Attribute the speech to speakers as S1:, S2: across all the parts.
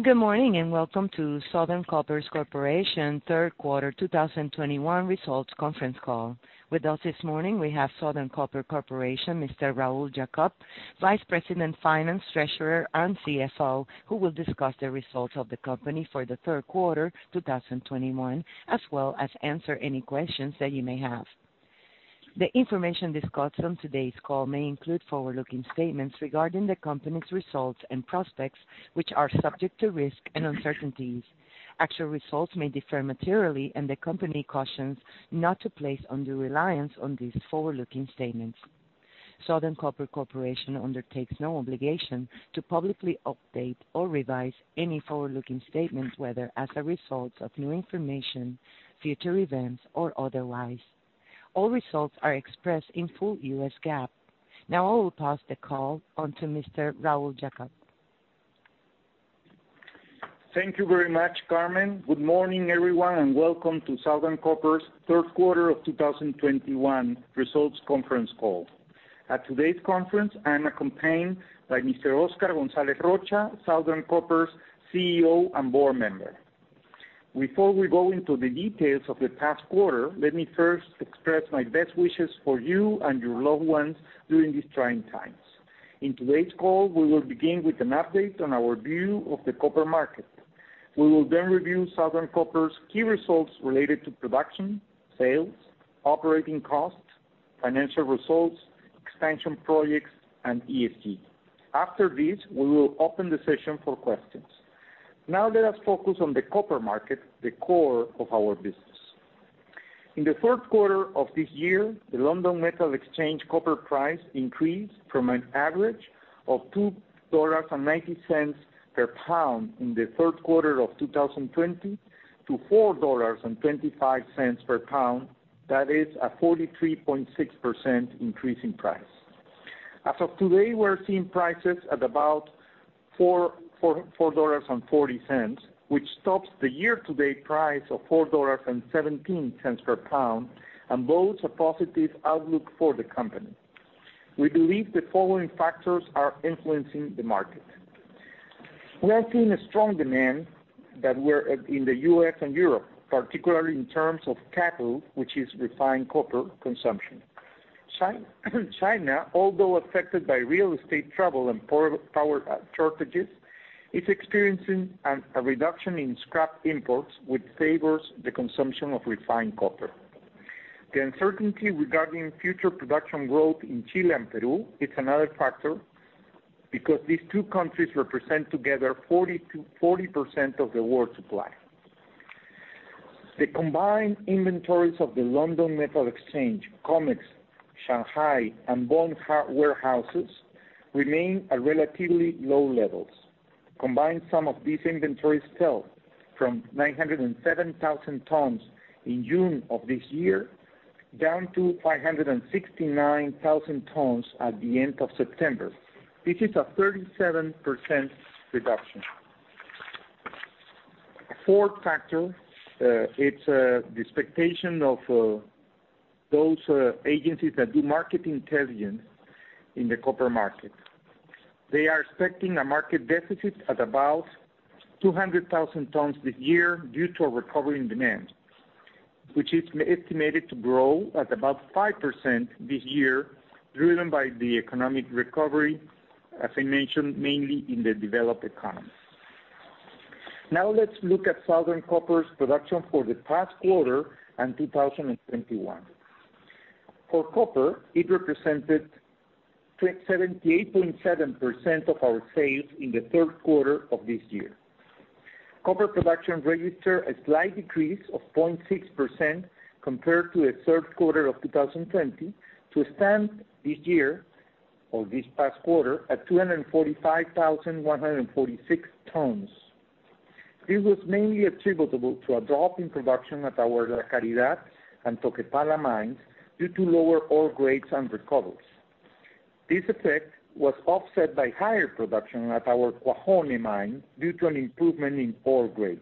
S1: Good morning, and welcome to Southern Copper Corporation's Third Quarter 2021 Results Conference Call. With us this morning, we have Southern Copper Corporation, Mr. Raul Jacob, Vice President, Finance, Treasurer, and CFO, who will discuss the results of the company for the third quarter 2021, as well as answer any questions that you may have. The information discussed on today's call may include forward-looking statements regarding the company's results and prospects, which are subject to risks and uncertainties. Actual results may differ materially, and the company cautions not to place undue reliance on these forward-looking statements. Southern Copper Corporation undertakes no obligation to publicly update or revise any forward-looking statements, whether as a result of new information, future events or otherwise. All results are expressed in full U.S. GAAP. Now I will pass the call on to Mr. Raul Jacob.
S2: Thank you very much, Carmen. Good morning, everyone, and welcome to Southern Copper's third quarter of 2021 results conference call. At today's conference, I am accompanied by Mr. Oscar Gonzalez Rocha, Southern Copper's CEO and board member. Before we go into the details of the past quarter, let me first express my best wishes for you and your loved ones during these trying times. In today's call, we will begin with an update on our view of the copper market. We will then review Southern Copper's key results related to production, sales, operating costs, financial results, expansion projects, and ESG. After this, we will open the session for questions. Now let us focus on the copper market, the core of our business. In the third quarter of this year, the London Metal Exchange copper price increased from an average of $2.90 per pound in the third quarter of 2020 to $4.25 per pound. That is a 43.6% increase in price. As of today, we're seeing prices at about $4.44, which tops the year-to-date price of $4.17 per pound and bodes a positive outlook for the company. We believe the following factors are influencing the market. We are seeing a strong demand in the U.S. and Europe, particularly in terms of cathode, which is refined copper consumption. China, although affected by real estate trouble and power shortages, is experiencing a reduction in scrap imports, which favors the consumption of refined copper. The uncertainty regarding future production growth in Chile and Peru is another factor because these two countries represent together 40% of the world supply. The combined inventories of the London Metal Exchange, COMEX, Shanghai, and Bonded warehouses remain at relatively low levels. Combined sum of these inventories fell from 907,000 tons in June of this year, down to 569,000 tons at the end of September. This is a 37% reduction. A fourth factor, the expectation of those agencies that do market intelligence in the copper market. They are expecting a market deficit at about 200,000 tons this year due to a recovery in demand, which is estimated to grow at about 5% this year, driven by the economic recovery, as I mentioned, mainly in the developed economies. Now let's look at Southern Copper's production for the past quarter and 2021. For copper, it represented 78.7% of our sales in the third quarter of this year. Copper production registered a slight decrease of 0.6% Compared to the third quarter of 2020 to stand this year or this past quarter at 245,146 tons. This was mainly attributable to a drop in production at our La Caridad and Toquepala mines due to lower ore grades and recoveries. This effect was offset by higher production at our Cuajone mine due to an improvement in ore grades.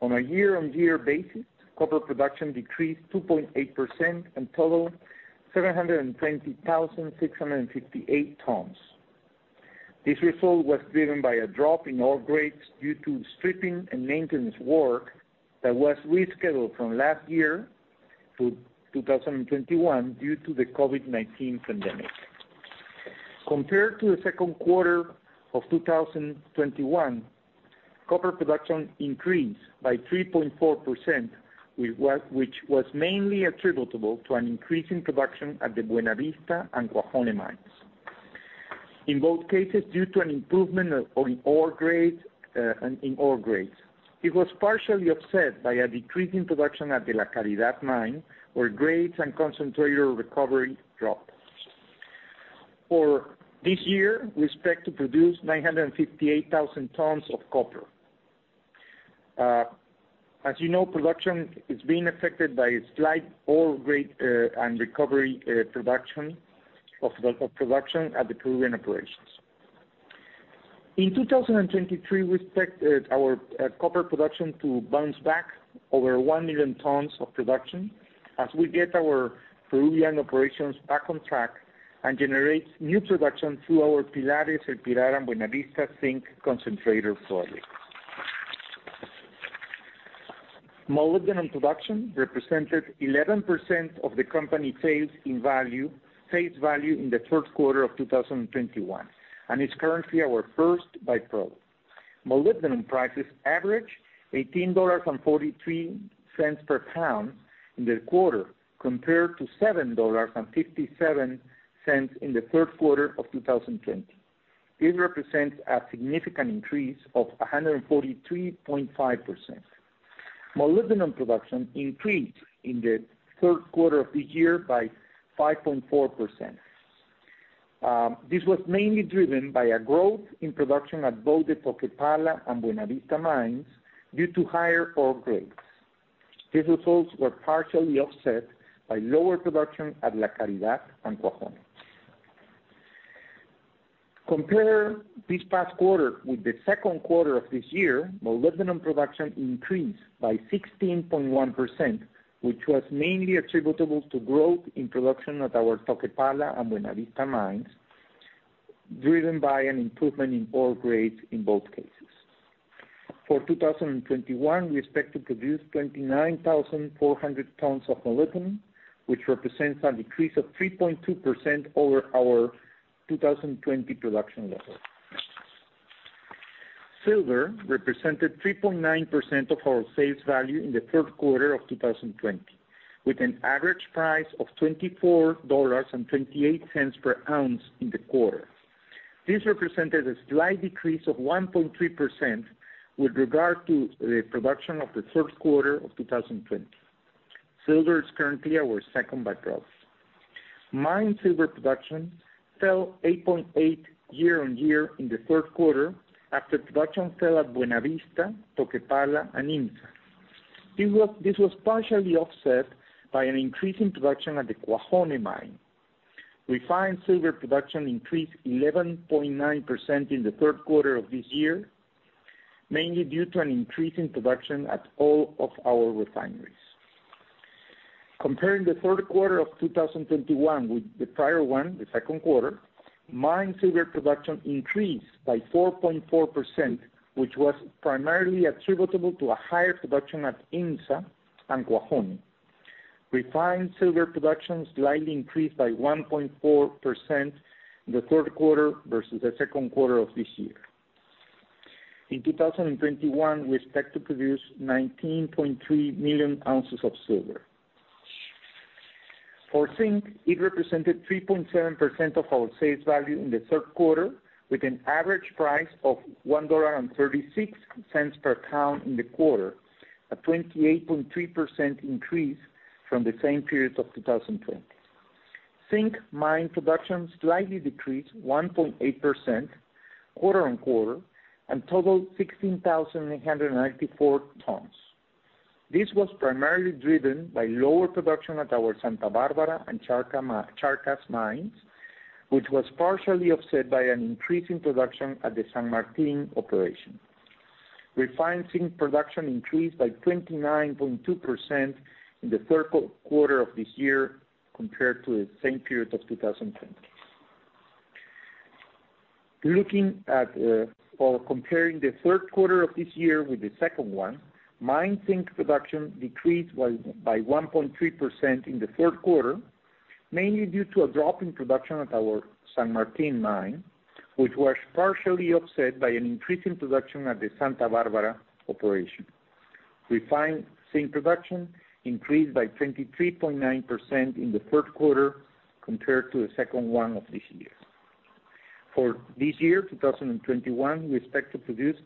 S2: On a year-over-year basis, copper production decreased two point eight percent and totaled 720,658 tons. This result was driven by a drop in ore grades due to stripping and maintenance work that was rescheduled from last year to 2021 due to the COVID-19 pandemic. Compared to the second quarter of 2021, copper production increased by 3.4%, which was mainly attributable to an increase in production at the Buenavista and Cuajone mines. In both cases due to an improvement of, on ore grades, in ore grades. It was partially offset by a decrease in production at the La Caridad mine, where grades and concentrator recovery dropped. For this year, we expect to produce 958,000 tons of copper. As you know, production is being affected by a slight ore grade, and recovery, production of production at the Peruvian operations. In 2023, we expect our copper production to bounce back over 1 million tons of production. We get our Peruvian operations back on track and generates new production through our Pilares, El Pilar, Buenavista zinc concentrator project. Molybdenum production represented 11% of the company sales in value, sales value in the third quarter of 2021, and is currently our first by-product. Molybdenum prices averaged $18.43 per pound in the quarter, compared to $7.57 in the third quarter of 2020. This represents a significant increase of 143.5%. Molybdenum production increased in the third quarter of the year by 5.4%. This was mainly driven by a growth in production at both the Toquepala and Buenavista mines due to higher ore grades. These results were partially offset by lower production at La Caridad and Cuajone. Compared to the second quarter of this year, molybdenum production increased by 16.1%, which was mainly attributable to growth in production at our Toquepala and Buenavista mines, driven by an improvement in ore grades in both cases. For 2021, we expect to produce 29,400 tons of molybdenum, which represents a decrease of 3.2% over our 2020 production level. Silver represented 3.9% of our sales value in the third quarter of 2020, with an average price of $24.28 per ounce in the quarter. This represented a slight decrease of 1.3% with regard to the production of the third quarter of 2020. Silver is currently our second by-product. Mine silver production fell 8.8% year-on-year in the third quarter after production fell at Buenavista, Toquepala, and IMMSA. This was partially offset by an increase in production at the Cuajone mine. Refined silver production increased 11.9% in the third quarter of this year, mainly due to an increase in production at all of our refineries. Comparing the third quarter of 2021 with the prior one, the second quarter, mine silver production increased by 4.4%, which was primarily attributable to a higher production at IMMSA and Cuajone. Refined silver production slightly increased by 1.4% in the third quarter versus the second quarter of this year. In 2021, we expect to produce 19.3 million ounces of silver. For zinc, it represented 3.7% of our sales value in the third quarter, with an average price of $1.36 per ton in the quarter, a 28.3% increase from the same period of 2020. Zinc mine production slightly decreased 1.8% quarter-on-quarter and totaled 16,094 tons. This was primarily driven by lower production at our Santa Barbara and Charcas mines, which was partially offset by an increase in production at the San Martín operation. Refined zinc production increased by 29.2% in the third quarter of this year compared to the same period of 2020. Looking at or comparing the third quarter of this year with the second one, mined zinc production decreased by 1.3% in the third quarter, mainly due to a drop in production at our San Martín mine, which was partially offset by an increase in production at the Santa Barbara operation. Refined zinc production increased by 23.9% in the third quarter compared to the second one of this year. For this year, 2021, we expect to produce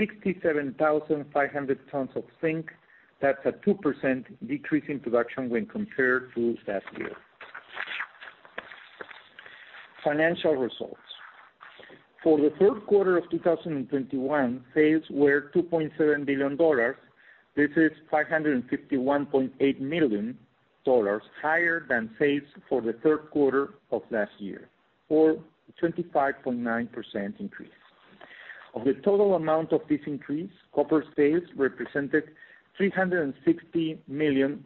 S2: 67,500 tons of zinc. That's a 2% decrease in production when compared to last year. Financial results. For the third quarter of 2021, sales were $2.7 billion. This is $551.8 million higher than sales for the third quarter of last year, or a 25.9% increase. Of the total amount of this increase, copper sales represented $360.5 million.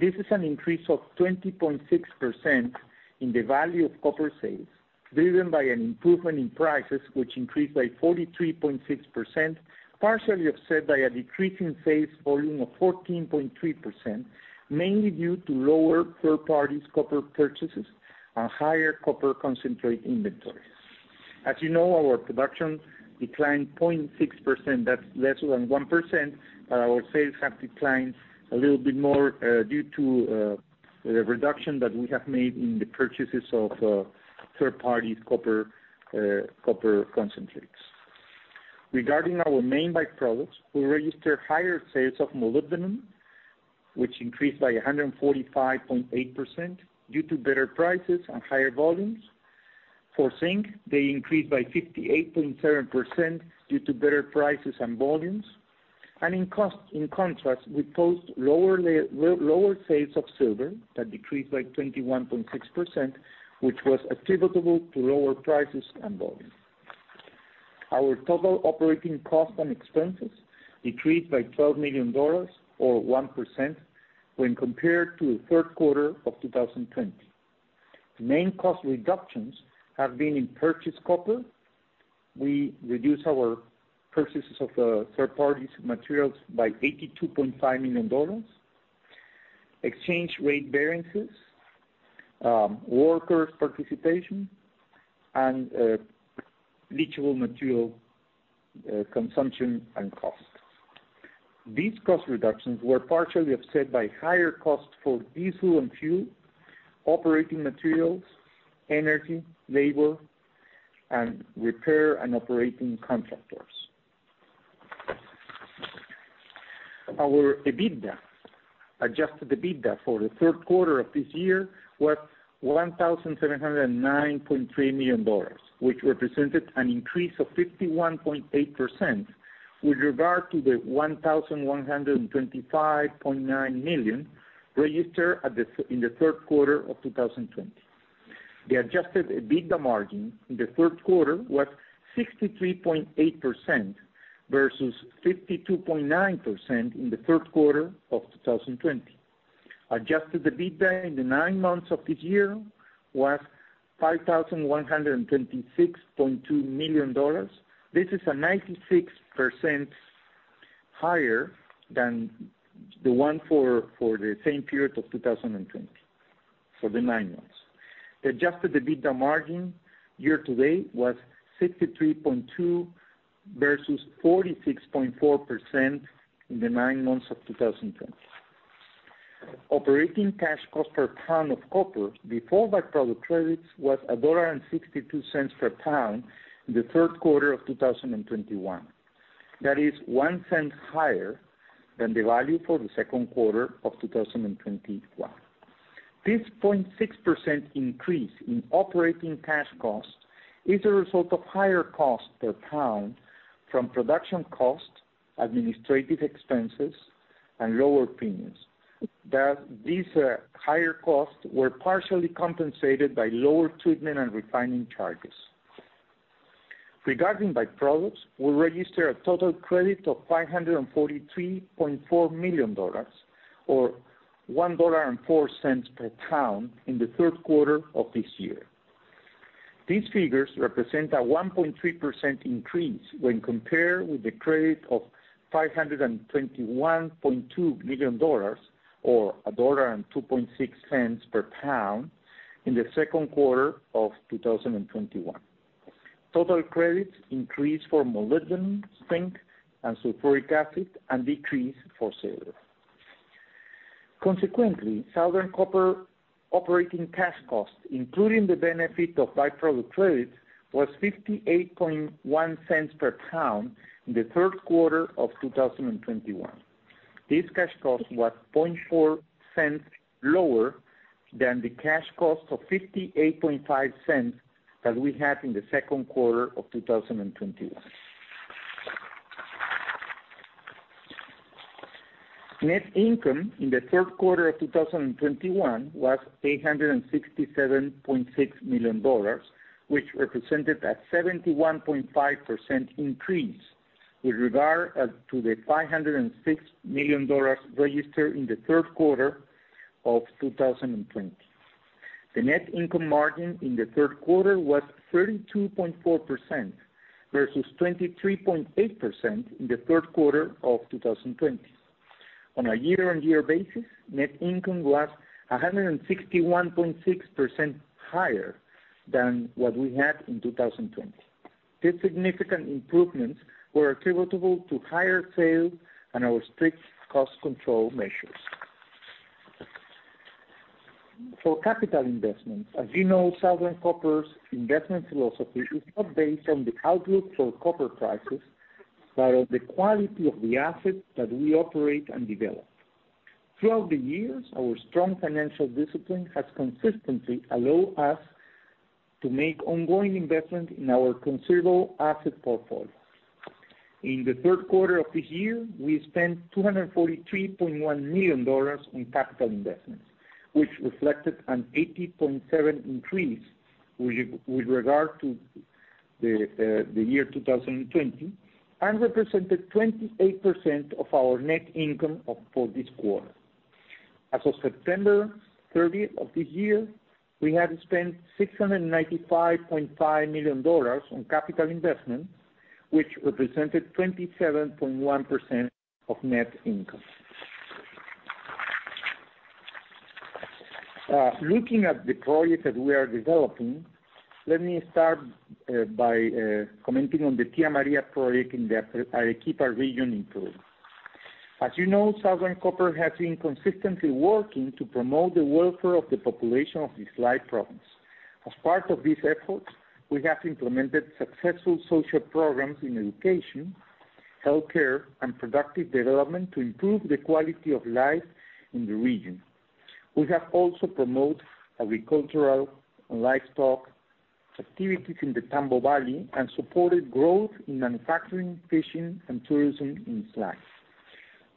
S2: This is an increase of 20.6% in the value of copper sales, driven by an improvement in prices, which increased by 43.6%, partially offset by a decrease in sales volume of 14.3%, mainly due to lower third-party copper purchases and higher copper concentrate inventories. As you know, our production declined 0.6%. That's less than 1%. Our sales have declined a little bit more, due to the reduction that we have made in the purchases of third-party copper concentrates. Regarding our main by-products, we registered higher sales of molybdenum, which increased by 145.8% due to better prices and higher volumes. For zinc, they increased by 58.7% due to better prices and volumes. In contrast, we posted lower sales of silver that decreased by 21.6%, which was attributable to lower prices and volumes. Our total operating costs and expenses decreased by $12 million, or 1%, when compared to the third quarter of 2020. The main cost reductions have been in purchased copper. We reduced our purchases of third-party materials by $82.5 million, exchange rate variances, workers' participation, and leachable material consumption and costs. These cost reductions were partially offset by higher costs for diesel and fuel, operating materials, energy, labor, and repair and operating contractors. Our EBITDA, adjusted EBITDA for the third quarter of this year was $1,709.3 million, which represented an increase of 51.8% with regard to the $1,125.9 million registered in the third quarter of 2020. The adjusted EBITDA margin in the third quarter was 63.8% versus 52.9% in the third quarter of 2020. Adjusted EBITDA in the nine months of this year was $5,126.2 million. This is a 96% higher than the one for the same period of 2020 for the nine months. The adjusted EBITDA margin year-to-date was 63.2% versus 46.4% in the nine months of 2020. Operating cash cost per pound of copper before by-product credits was $1.62 per pound in the third quarter of 2021. That is $0.01 higher than the value for the second quarter of 2021. This 0.6% increase in operating cash costs is a result of higher cost per pound from production costs, administrative expenses, and lower premiums. That these higher costs were partially compensated by lower treatment and refining charges. Regarding by-products, we registered a total credit of $543.4 million, or $1.04 per pound, in the third quarter of this year. These figures represent a 1.3% increase when compared with the credit of $521.2 million or $1.026 per pound in the second quarter of 2021. Total credits increased for molybdenum, zinc, and sulfuric acid, and decreased for silver. Consequently, Southern Copper operating cash costs, including the benefit of by-product credits, was $0.581 per pound in the third quarter of 2021. This cash cost was $0.004 lower than the cash cost of $0.585 that we had in the second quarter of 2021. Net income in the third quarter of 2021 was $867.6 million, which represented a 71.5% increase with regard to the $506 million registered in the third quarter of 2020. The net income margin in the third quarter was 32.4% versus 23.8% in the third quarter of 2020. On a year-on-year basis, net income was 161.6% higher than what we had in 2020. These significant improvements were attributable to higher sales and our strict cost control measures. For capital investments, as you know, Southern Copper's investment philosophy is not based on the outlook for copper prices, but on the quality of the assets that we operate and develop. Throughout the years, our strong financial discipline has consistently allowed us to make ongoing investment in our considerable asset portfolio. In the third quarter of this year, we spent $243.1 million on capital investments, which reflected an 80.7% increase with regard to the year 2020 and represented 28% of our net income for this quarter. As of September 30th of this year, we had spent $695.5 million on capital investment, which represented 27.1% of net income. Looking at the projects that we are developing, let me start by commenting on the Tía María project in the Arequipa region in Peru. As you know, Southern Copper has been consistently working to promote the welfare of the population of Islay province. As part of these efforts, we have implemented successful social programs in education, healthcare, and productive development to improve the quality of life in the region. We have also promoted agricultural and livestock activities in the Tambo Valley and supported growth in manufacturing, fishing, and tourism in Islay.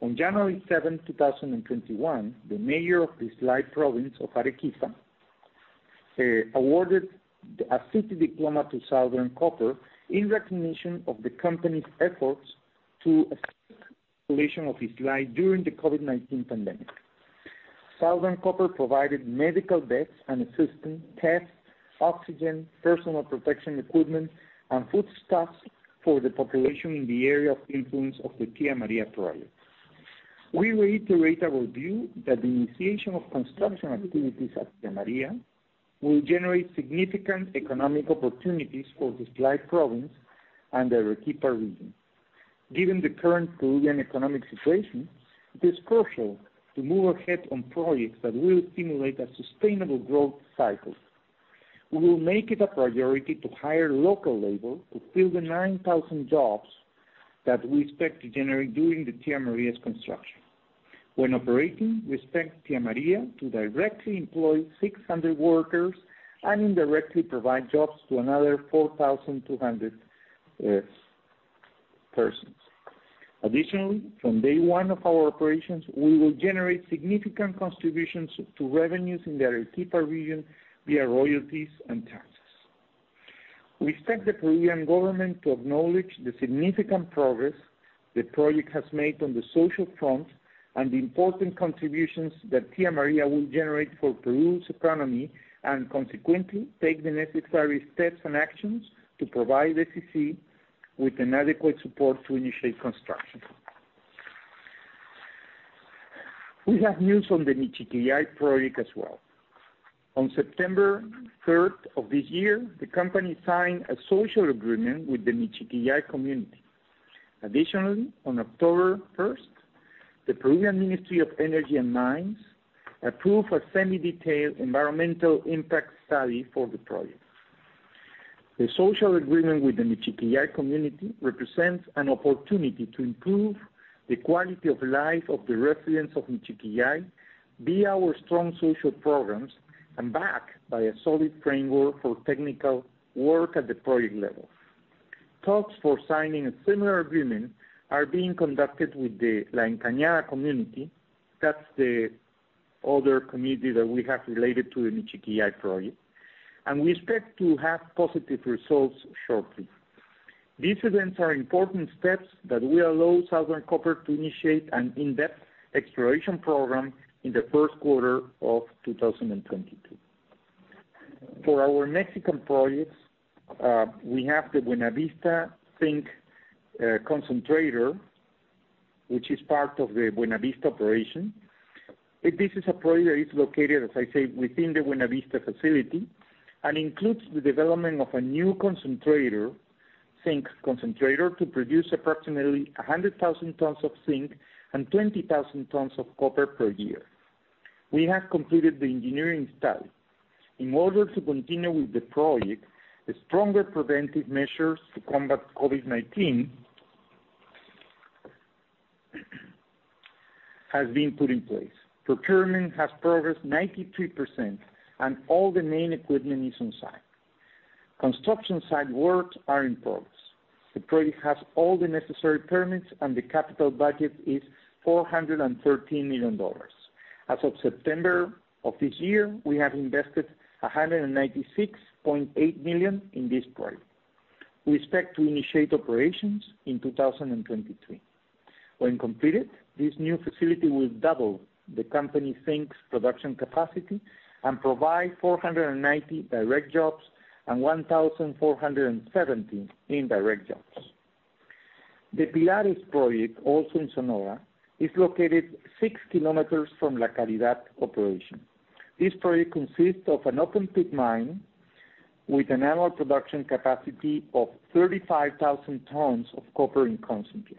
S2: On January 7, 2021, the mayor of Islay province of Arequipa awarded a city diploma to Southern Copper in recognition of the company's efforts to the population of Islay during the COVID-19 pandemic. Southern Copper provided medical beds and equipment, tests, oxygen, personal protection equipment, and foodstuffs for the population in the area of influence of the Tía María project. We reiterate our view that the initiation of construction activities at Tía María will generate significant economic opportunities for the Islay province and the Arequipa region. Given the current Peruvian economic situation, it is crucial to move ahead on projects that will stimulate a sustainable growth cycle. We will make it a priority to hire local labor to fill the 9,000 jobs that we expect to generate during the Tía María's construction. When operating, we expect Tía María to directly employ 600 workers and indirectly provide jobs to another 4,200 persons. Additionally, from day one of our operations, we will generate significant contributions to revenues in the Arequipa region via royalties and taxes. We expect the Peruvian government to acknowledge the significant progress the project has made on the social front and the important contributions that Tía María will generate for Peru's economy, and consequently, take the necessary steps and actions to provide SCC with adequate support to initiate construction. We have news on the Michiquillay project as well. On September 3rd of this year, the company signed a social agreement with the Michiquillay community. Additionally, on October 1st, the Peruvian Ministry of Energy and Mines approved a semi-detailed environmental impact study for the project. The social agreement with the Michiquillay community represents an opportunity to improve the quality of life of the residents of Michiquillay via our strong social programs and backed by a solid framework for technical work at the project level. Talks for signing a similar agreement are being conducted with the La Encañada community. That's the other community that we have related to the Michiquillay project, and we expect to have positive results shortly. These events are important steps that will allow Southern Copper to initiate an in-depth exploration program in the first quarter of 2022. For our Mexican projects, we have the Buenavista zinc concentrator, which is part of the Buenavista operation. This is a project that is located, as I said, within the Buenavista facility and includes the development of a new concentrator, zinc concentrator, to produce approximately 100,000 tons of zinc and 20,000 tons of copper per year. We have completed the engineering study. In order to continue with the project, a stronger preventive measures to combat COVID-19 has been put in place. Procurement has progressed 93% and all the main equipment is on site. Construction site works are in progress. The project has all the necessary permits and the capital budget is $413 million. As of September of this year, we have invested $196.8 million in this project. We expect to initiate operations in 2023. When completed, this new facility will double the company's zinc production capacity and provide 490 direct jobs and 1,470 indirect jobs. The Pilares project, also in Sonora, is located 6 km from La Caridad operation. This project consists of an open-pit mine with an annual production capacity of 35,000 tons of copper in concentrate.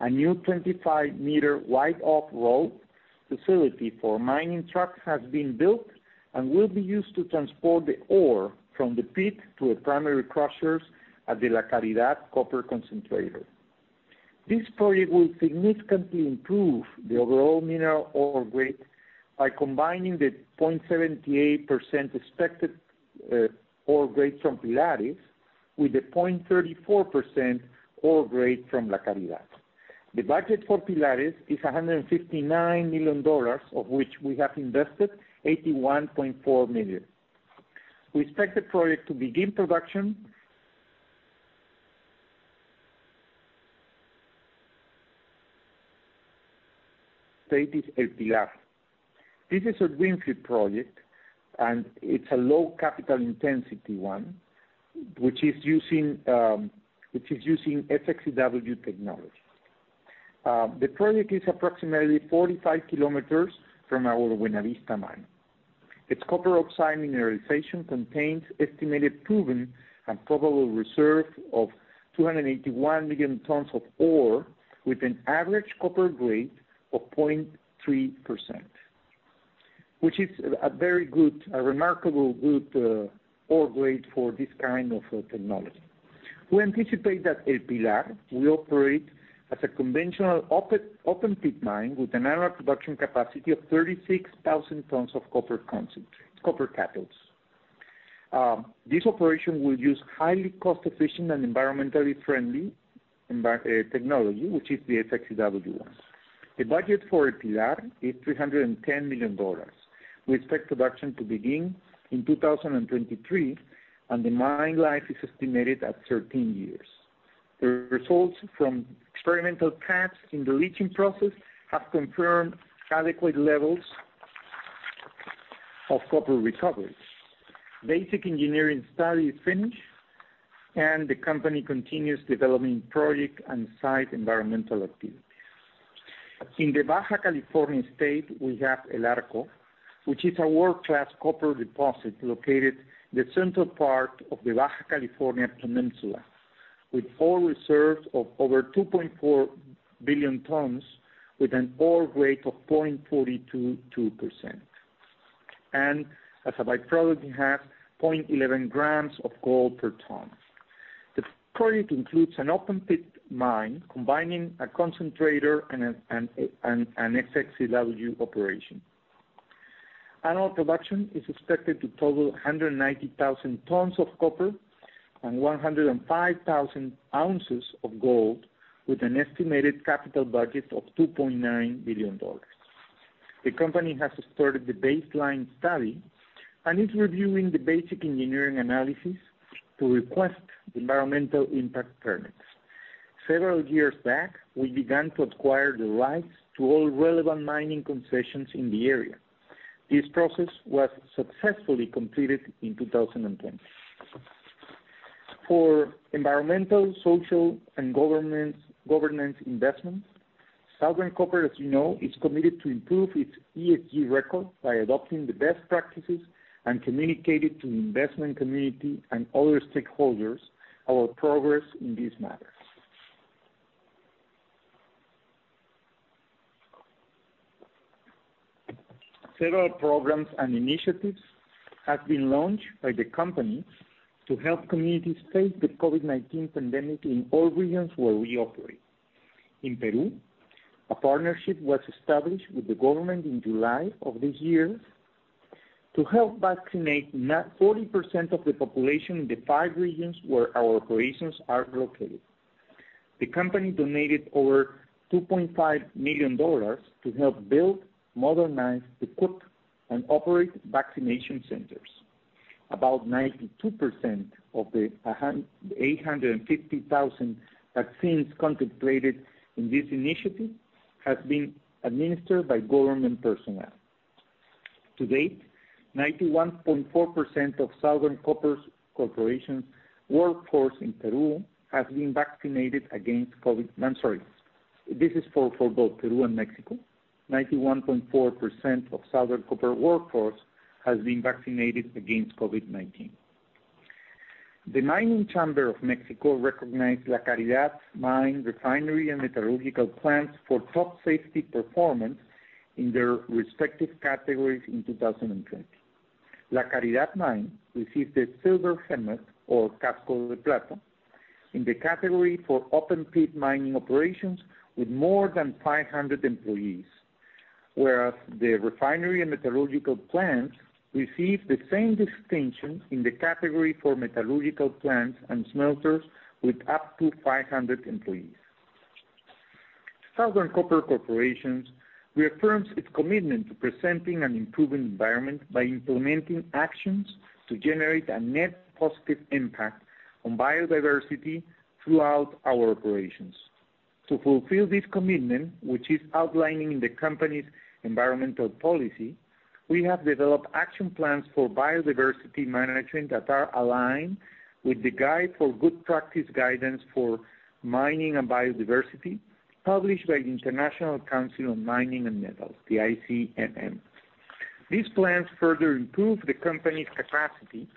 S2: A new 25-meter-wide off-road facility for mining trucks has been built and will be used to transport the ore from the pit to the primary crushers at the La Caridad copper concentrator. This project will significantly improve the overall mineral ore grade by combining the 0.78% expected ore grade from Pilares with the 0.34% ore grade from La Caridad. The budget for Pilares is $159 million, of which we have invested $81.4 million. We expect the project to begin production. El Pilar. This is a greenfield project, and it's a low capital intensity one, which is using SXEW technology. The project is approximately 45 km from our Buenavista mine. Its copper oxide mineralization contains estimated proven and probable reserve of 281 million tons of ore with an average copper grade of 0.3%, which is a very good, a remarkably good ore grade for this kind of technology. We anticipate that El Pilar will operate as a conventional open-pit mine with an annual production capacity of 36,000 tons of copper concentrate, copper cathode. This operation will use highly cost-efficient and environmentally friendly technology, which is the SXEW one. The budget for El Pilar is $310 million. We expect production to begin in 2023, and the mine life is estimated at 13 years. The results from experimental tests in the leaching process have confirmed adequate levels of copper recovery. Basic engineering study is finished, and the company continues developing project and site environmental activities. In the Baja California state, we have El Arco, which is a world-class copper deposit located in the central part of the Baja California Peninsula, with ore reserves of over 2.4 billion tons with an ore grade of 0.422%. As a by-product, we have 0.11 grams of gold per ton. The project includes an open-pit mine combining a concentrator and an SXEW operation. Annual production is expected to total 190,000 tons of copper and 105,000 ounces of gold, with an estimated capital budget of $2.9 billion. The company has started the baseline study and is reviewing the basic engineering analysis to request environmental impact permits. Several years back, we began to acquire the rights to all relevant mining concessions in the area. This process was successfully completed in 2020. For environmental, social, and governance investments, Southern Copper, as you know, is committed to improve its ESG record by adopting the best practices and communicate it to investment community and other stakeholders our progress in these matters. Several programs and initiatives have been launched by the company to help communities face the COVID-19 pandemic in all regions where we operate. In Peru, a partnership was established with the government in July of this year to help vaccinate forty percent of the population in the five regions where our operations are located. The company donated over $2.5 million to help build, modernize, equip, and operate vaccination centers. About 92% of the eight hundred and fifty thousand vaccines contemplated in this initiative has been administered by government personnel. To date, 91.4% of Southern Copper Corporation's workforce in both Peru and Mexico has been vaccinated against COVID-19. The mining chamber of Mexico recognized La Caridad Mine, Refinery and Metallurgical Plants for top safety performance in their respective categories in 2020. La Caridad Mine received a Silver Helmet or Casco de Plata in the category for open pit mining operations with more than 500 employees, whereas the refinery and metallurgical plants received the same distinction in the category for metallurgical plants and smelters with up to 500 employees. Southern Copper Corporation reaffirms its commitment to presenting an improving environment by implementing actions to generate a net positive impact on biodiversity throughout our operations. To fulfill this commitment, which is outlining the company's environmental policy, we have developed action plans for biodiversity management that are aligned with the Guide for Good Practice Guidance for Mining and Biodiversity, published by the International Council on Mining and Metals, the ICMM. These plans further improve the company's capacity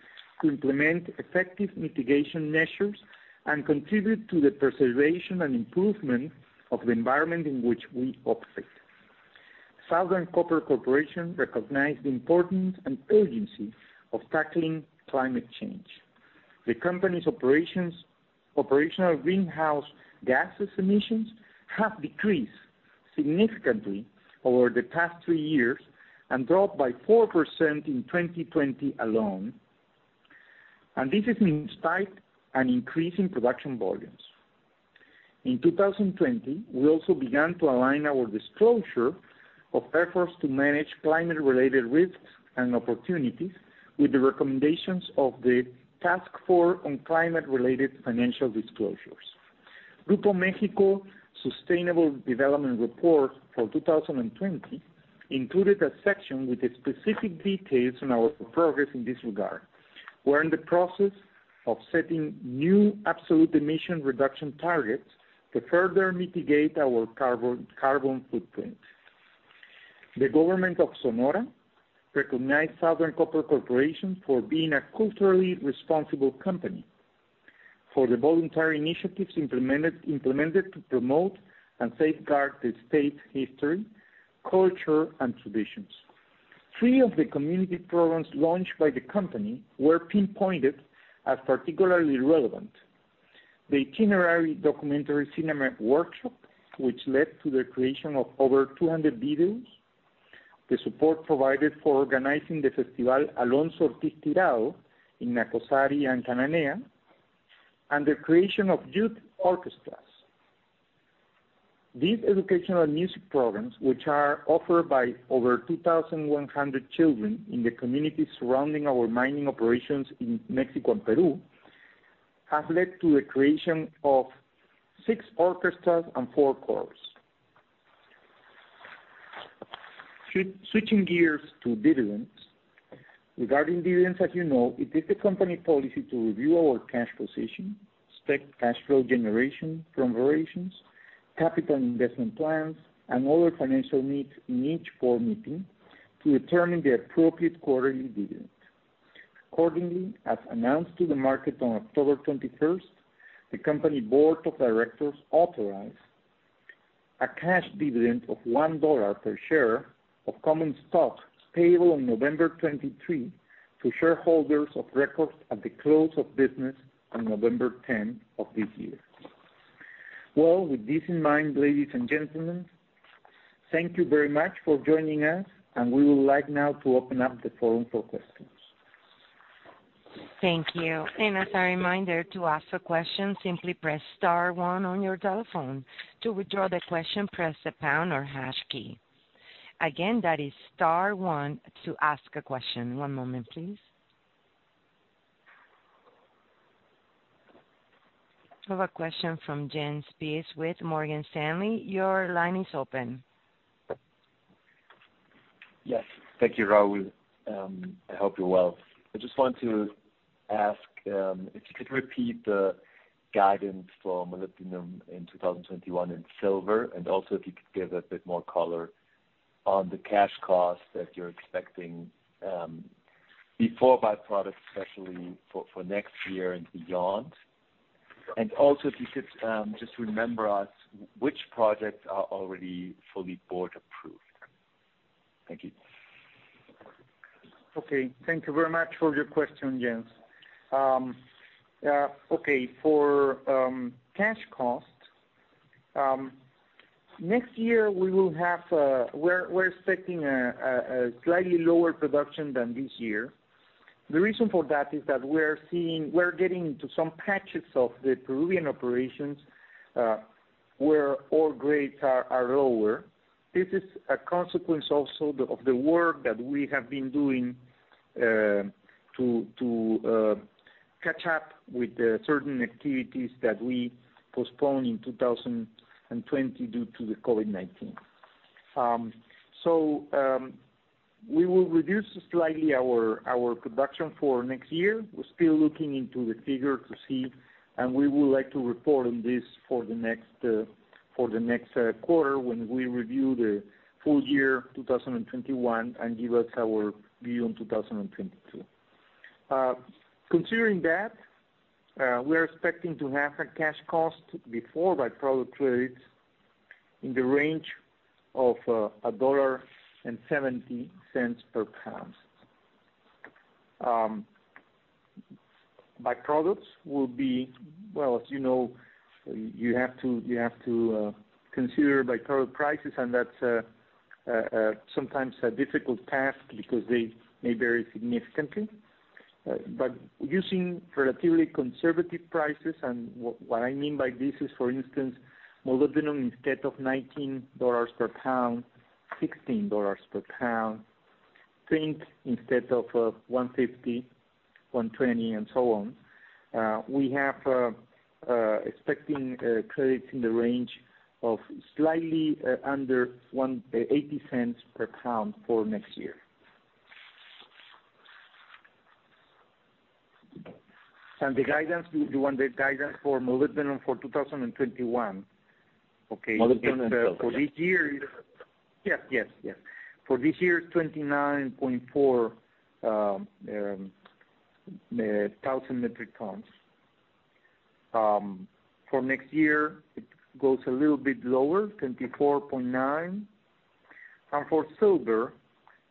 S2: to implement effective mitigation measures and contribute to the preservation and improvement of the environment in which we operate. Southern Copper Corporation recognize the importance and urgency of tackling climate change. The company's operational greenhouse gas emissions have decreased significantly over the past three years and dropped by 4% in 2020 alone. This is in spite of an increase in production volumes. In 2020, we also began to align our disclosure of efforts to manage climate-related risks and opportunities with the recommendations of the Task Force on Climate-related Financial Disclosures. Grupo México Sustainable Development Report for 2020 included a section with the specific details on our progress in this regard. We're in the process of setting new absolute emission reduction targets to further mitigate our carbon footprint. The government of Sonora recognized Southern Copper Corporation for being a culturally responsible company for the voluntary initiatives implemented to promote and safeguard the state's history, culture, and traditions. Three of the community programs launched by the company were pinpointed as particularly relevant. The Itinerary Documentary Cinema Workshop, which led to the creation of over 200 videos, the support provided for organizing the Festival [Alonzo Titirao] in Nacozari and Cananea, and the creation of youth orchestras. These educational music programs, which are offered by over 2,100 children in the communities surrounding our mining operations in Mexico and Peru, have led to the creation of six orchestras and four choirs. Switching gears to dividends. Regarding dividends, as you know, it is the company policy to review our cash position, expected cash flow generation from operations, capital investment plans, and other financial needs in each board meeting to determine the appropriate quarterly dividend. Accordingly, as announced to the market on October 21st, the company board of directors authorized a cash dividend of $1 per share of common stock payable on November 23 to shareholders of record at the close of business on November 10 of this year. Well, with this in mind, ladies and gentlemen, thank you very much for joining us, and we would like now to open up the forum for questions.
S1: Thank you. As a reminder to ask a question, simply press star one on your telephone. To withdraw the question, press the pound or hash key. Again, that is star one to ask a question. One moment, please. I have a question from Jens Spiess with Morgan Stanley. Your line is open.
S3: Yes. Thank you, Raul. I hope you're well. I just want to ask if you could repeat the guidance for molybdenum in 2021 and silver, and also if you could give a bit more color on the cash costs that you're expecting before byproducts, especially for next year and beyond. If you could just remind us which projects are already fully board-approved. Thank you.
S2: Okay. Thank you very much for your question, Jens. For cash costs next year, we're expecting a slightly lower production than this year. The reason for that is that we're getting to some patches of the Peruvian operations where ore grades are lower. This is a consequence also of the work that we have been doing to catch up with certain activities that we postponed in 2020 due to the COVID-19. We will reduce slightly our production for next year. We're still looking into the figure to see, and we would like to report on this for the next quarter when we review the full year 2021 and give us our view on 2022. Considering that, we're expecting to have a cash cost before by-product credits in the range of $1.70 per pound. By-products will be, well, as you know, you have to consider by-product prices, and that's sometimes a difficult task because they may vary significantly. But using relatively conservative prices, and what I mean by this is, for instance, molybdenum instead of $19 per pound, $16 per pound. Zinc instead of $1.50, $1.20, and so on. Expecting credits in the range of slightly under $1.80 per pound for next year. The guidance, you want the guidance for molybdenum for 2021? Okay.
S3: Molybdenum and silver, yeah.
S2: For this year, 29,400 metric tons. For next year, it goes a little bit lower, 24,900. For silver,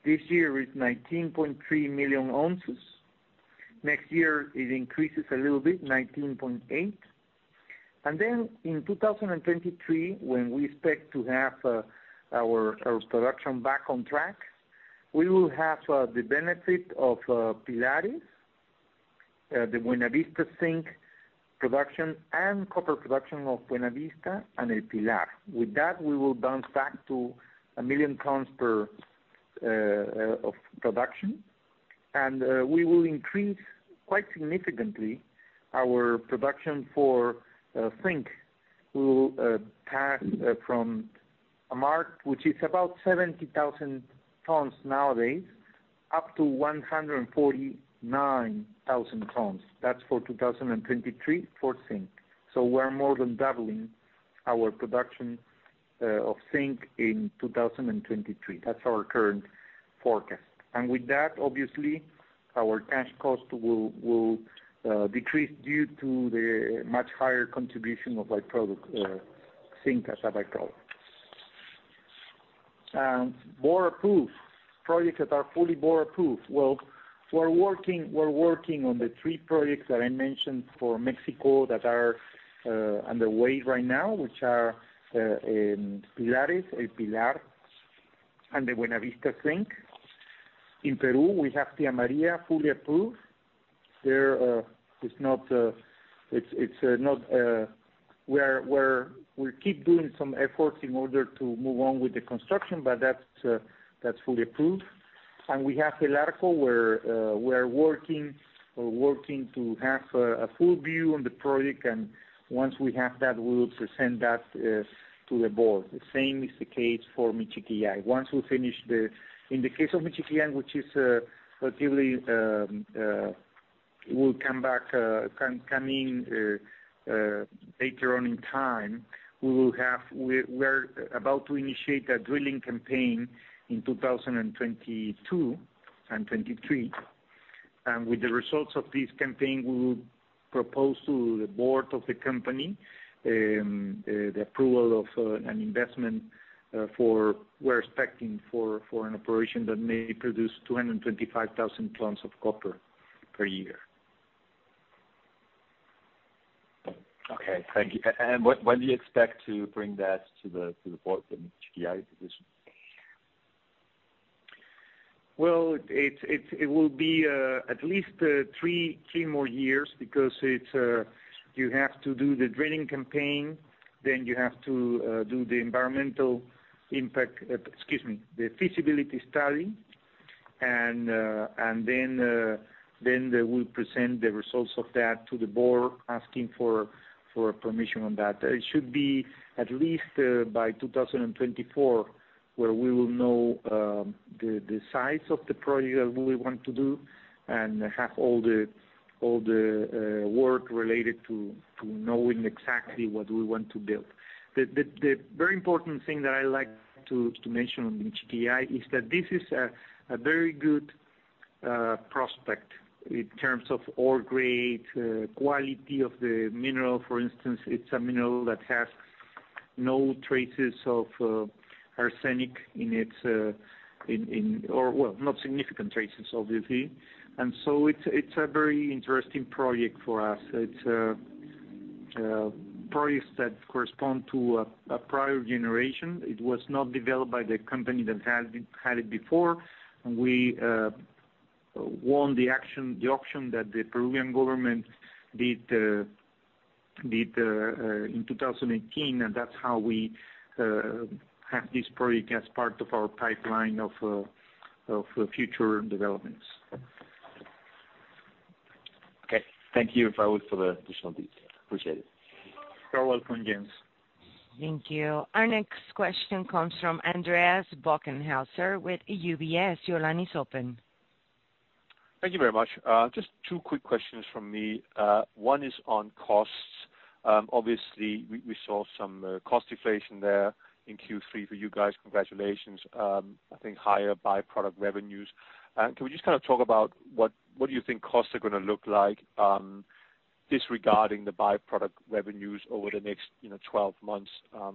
S2: this year is 19.3 million ounces. Next year, it increases a little bit, 19.8 million. Then in 2023, when we expect to have our production back on track, we will have the benefit of Pilares, the Buenavista zinc production and copper production of Buenavista and El Pilar. With that, we will bounce back to a million tons of production. We will increase quite significantly our production for zinc. We will pass from a mark, which is about 70,000 tons nowadays, up to 149,000 tons. That's for 2023 for zinc. We're more than doubling our production of zinc in 2023. That's our current forecast. With that, obviously, our cash cost will decrease due to the much higher contribution of by-product zinc as a by-product. Board approved projects that are fully board approved. We're working on the three projects that I mentioned for Mexico that are underway right now, which are Pilares, El Pilar, and the Buenavista zinc. In Peru, we have Tía María fully approved. It's not. We keep doing some efforts in order to move on with the construction, but that's fully approved. We have El Arco, where we're working to have a full view on the project, and once we have that, we will present that to the board. The same is the case for Michiquillay. In the case of Michiquillay, which is relatively coming later on in time, we're about to initiate a drilling campaign in 2022 and 2023. With the results of this campaign, we will propose to the board of the company the approval of an investment for an operation that may produce 225,000 tons of copper per year.
S3: Okay. Thank you. When do you expect to bring that to the board then, Michiquillay position?
S2: It will be at least three more years because it's you have to do the drilling campaign, then you have to do the feasibility study. Then they will present the results of that to the board asking for permission on that. It should be at least by 2024, where we will know the size of the project that we want to do and have all the work related to knowing exactly what we want to build. The very important thing that I like to mention on Michiquillay is that this is a very good prospect in terms of ore grade, quality of the mineral. For instance, it's a mineral that has no traces of arsenic in its. Or well, not significant traces obviously. It's a very interesting project for us. It's a project that correspond to a prior generation. It was not developed by the company that had it before. We won the auction that the Peruvian government did in 2018, and that's how we have this project as part of our pipeline of future developments.
S3: Okay. Thank you, Raul, for the additional details. Appreciate it.
S2: You're welcome, Jens.
S1: Thank you. Our next question comes from Andreas Bokkenheuser with UBS. Your line is open.
S4: Thank you very much. Just two quick questions from me. One is on costs. Obviously we saw some cost deflation there in Q3 for you guys. Congratulations. I think higher by-product revenues. Can we just kind of talk about what do you think costs are gonna look like, disregarding the by-product revenues over the next 12 months?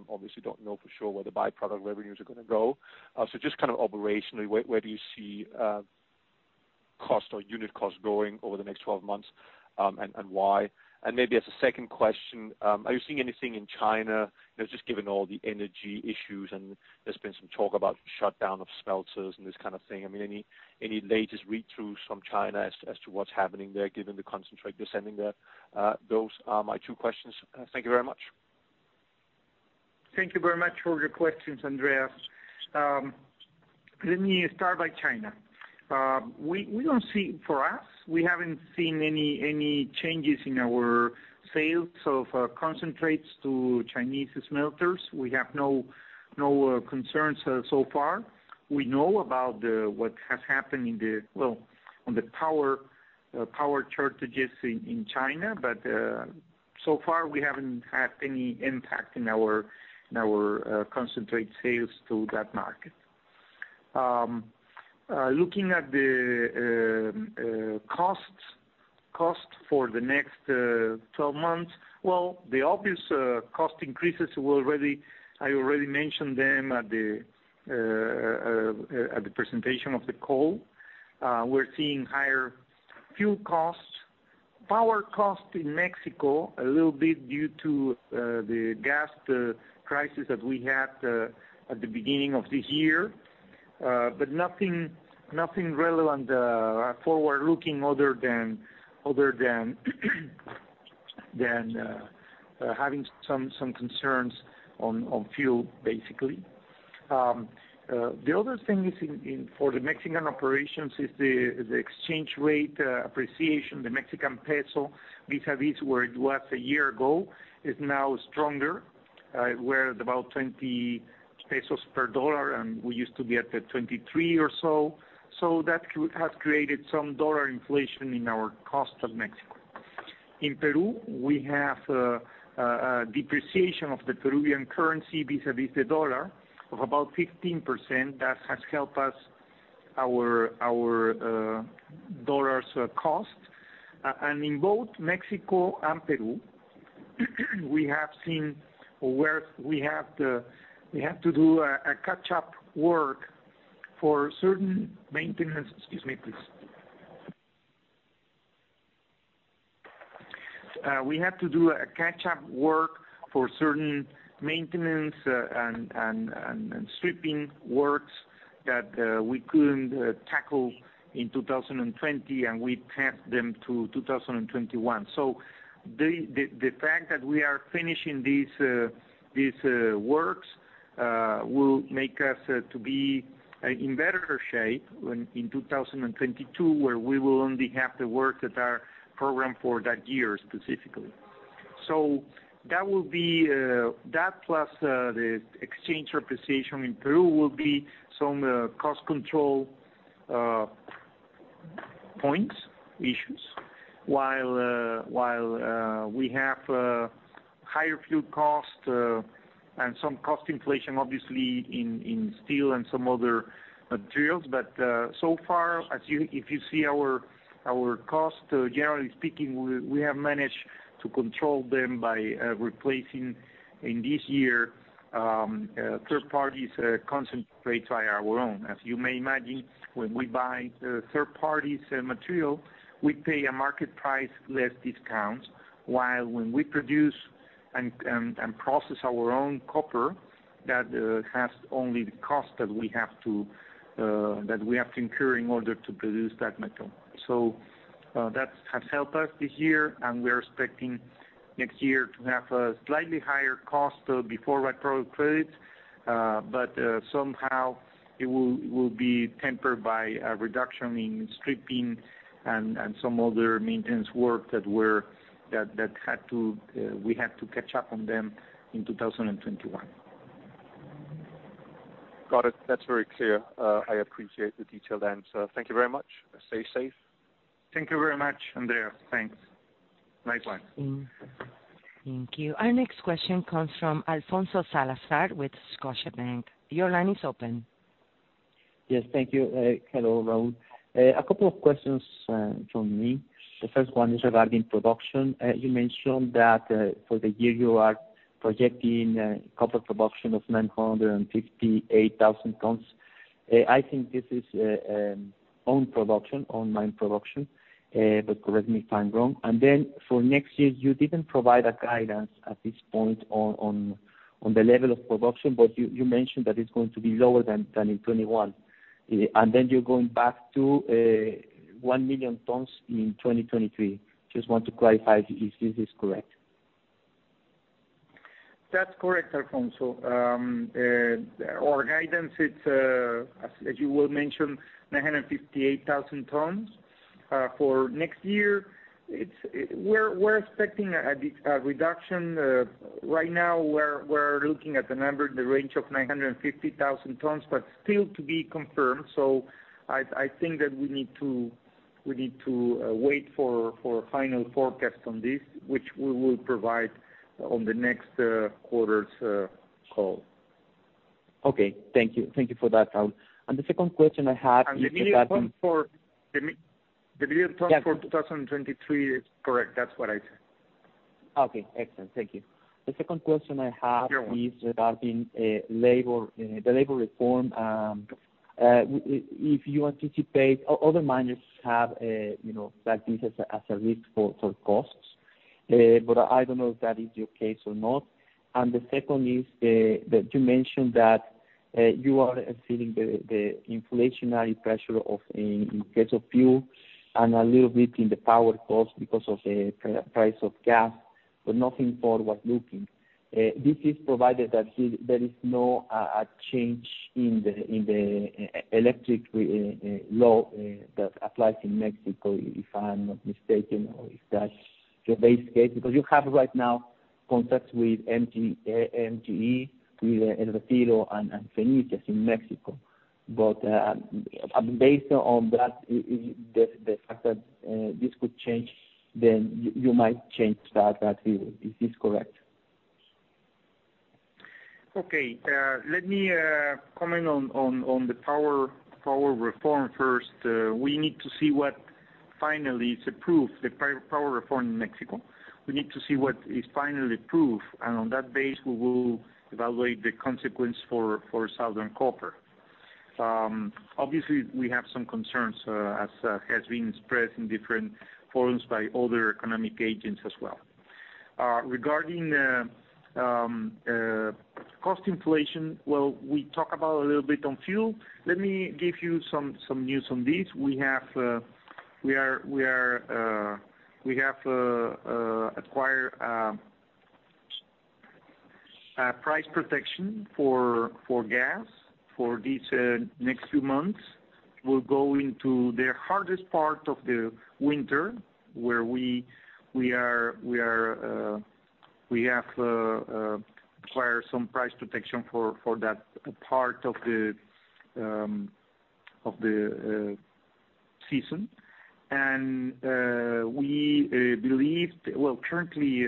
S4: Obviously don't know for sure where the by-product revenues are gonna go. Just kind of operationally, where do you see cost or unit cost going over the next 12 months, and why? Maybe as a second question, are you seeing anything in China, you know, just given all the energy issues, and there's been some talk about shutdown of smelters and this kind of thing. I mean, any latest read-throughs from China as to what's happening there given the concentrate they're sending there? Those are my two questions. Thank you very much.
S2: Thank you very much for your questions, Andreas. Let me start by China. We don't see any changes. For us, we haven't seen any changes in our sales of concentrates to Chinese smelters. We have no concerns so far. We know about what has happened, well, on the power shortages in China, but so far we haven't had any impact in our concentrate sales to that market. Looking at the costs for the next 12 months, well, the obvious cost increases, I already mentioned them at the presentation of the call. We're seeing higher fuel costs, power costs in Mexico, a little bit due to the gas crisis that we had at the beginning of this year. Nothing relevant forward-looking other than having some concerns on fuel, basically. The other thing, in for the Mexican operations, is the exchange rate appreciation. The Mexican peso vis-à-vis where it was a year ago is now stronger. We're at about MX$20 per dollar, and we used to be at MX$23 or so. That could have created some dollar inflation in our costs in Mexico. In Peru, we have a depreciation of the Peruvian currency vis-à-vis the dollar of about 15%. That has helped our dollar costs. In both Mexico and Peru, we have seen where we have to do a catch-up work for certain maintenance. Excuse me, please. We have to do a catch-up work for certain maintenance and stripping works that we couldn't tackle in 2020, and we passed them to 2021. The fact that we are finishing these works will make us to be in better shape when in 2022, where we will only have to work at our program for that year specifically. That will be that plus the exchange rate depreciation in Peru will be some cost control points issues while we have higher fuel costs and some cost inflation obviously in steel and some other materials. So far, as you if you see our costs, generally speaking, we have managed to control them by replacing, in this year, third parties concentrates by our own. As you may imagine, when we buy the third party's material, we pay a market price less discounts, while when we produce and process our own copper, that has only the cost that we have to incur in order to produce that metal. That has helped us this year, and we're expecting next year to have a slightly higher cost before retro credits. Somehow it will be tempered by a reduction in stripping and some other maintenance work that had to we had to catch up on them in 2021.
S4: Got it. That's very clear. I appreciate the detailed answer. Thank you very much. Stay safe.
S2: Thank you very much, Andreas. Thanks. Bye-bye.
S1: Thank you. Our next question comes from Alfonso Salazar with Scotiabank. Your line is open.
S5: Yes, thank you. Hello, Raul. A couple of questions from me. The first one is regarding production. You mentioned that for the year you are projecting copper production of 958,000 tons. I think this is own production, own mine production. But correct me if I'm wrong. Then for next year, you didn't provide a guidance at this point on the level of production, but you mentioned that it's going to be lower than in 2021. Then you're going back to 1,000,000 tons in 2023. Just want to clarify if this is correct.
S2: That's correct, Alfonso. Our guidance, it's as you well mentioned, 958,000 tons. For next year, we're expecting a reduction. Right now we're looking at the number in the range of 950,000 tons, but still to be confirmed. I think that we need to wait for final forecast on this, which we will provide on the next quarter's call.
S5: Okay. Thank you. Thank you for that, Raul. The second question I have is regarding-
S2: The 1,000,000 tons for-
S5: Yeah.
S2: 2023 is correct. That's what I said.
S5: Okay, excellent. Thank you. The second question I have.
S2: Sure.
S5: This is regarding labor, the labor reform. If you anticipate other miners have, you know, like this as a risk for total costs. But I don't know if that is your case or not. The second is that you mentioned that you are feeling the inflationary pressure in case of fuel and a little bit in the power cost because of the price of gas, but nothing forward-looking. This is provided that there is no change in the electric law that applies in Mexico, if I'm not mistaken, or if that's your base case. Because you have right now contracts with MG, MGE, with [Iberdrola] and [Fénix] in Mexico. Based on that, is the fact that this could change, then you might change that view. Is this correct?
S2: Okay. Let me comment on the power reform first. We need to see what finally is approved, the power reform in Mexico. We need to see what is finally approved, and on that base, we will evaluate the consequence for Southern Copper. Obviously we have some concerns, as has been expressed in different forums by other economic agents as well. Regarding cost inflation, well, we talk about a little bit on fuel. Let me give you some news on this. We have acquired price protection for gas for these next few months. We'll go into the hardest part of the winter where we have acquired some price protection for that part of the season. Well, currently,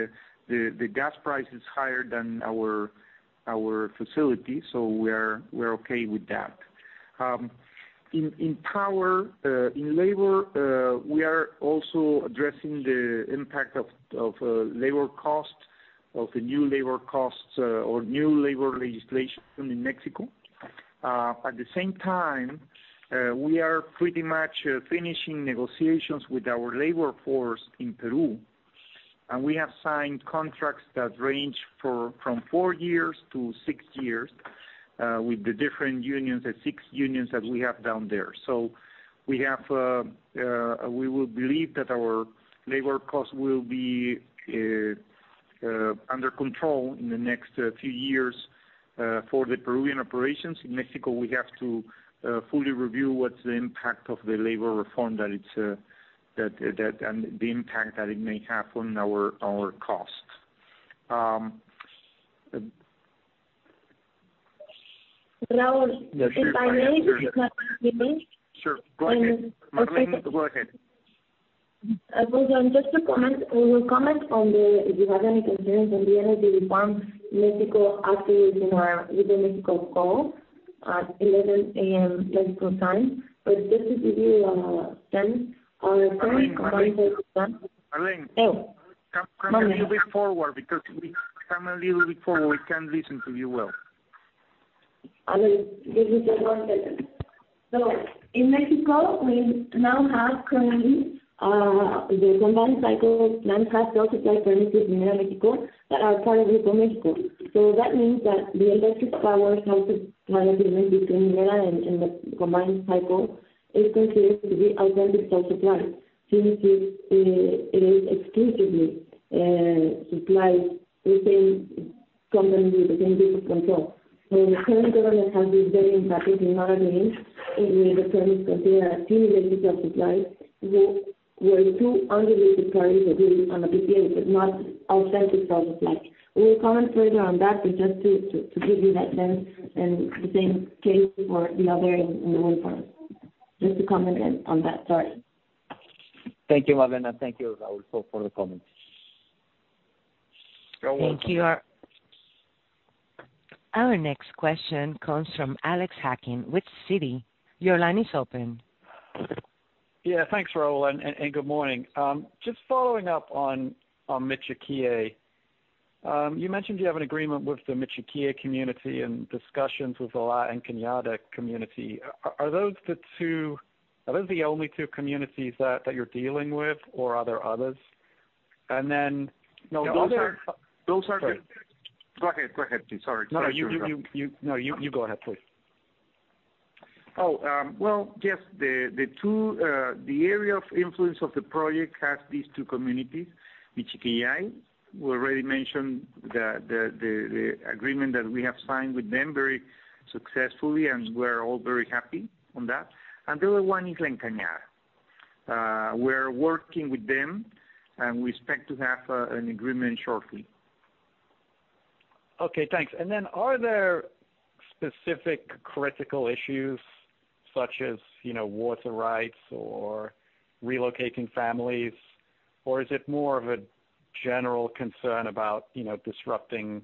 S2: the gas price is higher than our facility, so we're okay with that. In power, in labor, we are also addressing the impact of the new labor costs or new labor legislation in Mexico. At the same time, we are pretty much finishing negotiations with our labor force in Peru. We have signed contracts that range from four years to six years with the different unions, the six unions that we have down there. We will believe that our labor costs will be under control in the next few years for the Peruvian operations. In Mexico, we have to fully review what's the impact of the labor reform and the impact that it may have on our costs.
S6: Raul, if I may.
S2: Sure. Go ahead. Marlene, go ahead.
S6: Raul, just to comment. We will comment on the, if you have any concerns on the energy reform Mexico after, you know, with the Mexico call at 11 A.M. local time. Just to give you, sense on a current combined cycle plant-
S2: Marlene.
S6: Oh.
S2: Come a little bit forward. We can't listen to you well.
S6: I mean, give me just one second. In Mexico, we now have currently the combined cycle plant has self-supply permits in Minera México that are part of Mexico. That means that the electric power has a link between Minera and the combined cycle is considered to be outside the self-supply since it is exclusively supplied within combined with the same group of control. The current government has been very emphatic in other means, in the terms that they are clearly self-supply. We're two unrelated parties agreed on the PPA, but not outside the project like. We will comment later on that, but just to give you that sense and the same case for the other in one part. Just to comment on that. Sorry.
S5: Thank you, Marlene, and thank you, Raul, for the comments.
S2: You're welcome.
S1: Thank you. Our next question comes from Alex Hacking with Citi. Your line is open.
S7: Yeah. Thanks, Raul, and good morning. Just following up on Michiquillay. You mentioned you have an agreement with the Michiquillay community and discussions with the La Encañada community. Are those the only two communities that you're dealing with or are there others? And then-
S2: No, those are.
S7: Sorry.
S2: Go ahead, please. Sorry.
S7: No, you go ahead, please.
S2: The area of influence of the project has these two communities, Michiquillay. We already mentioned the agreement that we have signed with them very successfully, and we're all very happy about that. The other one is La Encañada. We're working with them, and we expect to have an agreement shortly.
S7: Okay. Thanks. Are there specific critical issues such as, you know, water rights or relocating families, or is it more of a general concern about, you know, disrupting